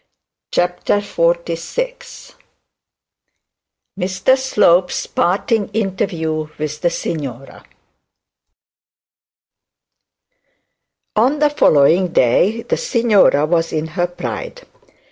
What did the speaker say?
CHAPTER XLVI MR SLOPE'S PARTING INTERVIEW WITH THE SIGNORA On the following day the signora was in her pride.